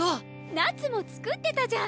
夏も作ってたじゃん。